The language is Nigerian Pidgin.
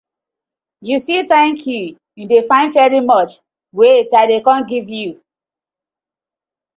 You see "thank you", you dey find "very much", wait I dey com giv you.